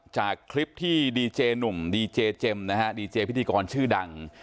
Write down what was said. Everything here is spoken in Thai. จากคลิปที่ดีเจหนุ่มดีเจเจมส์นะฮะดีเจพิธีกรชื่อดัง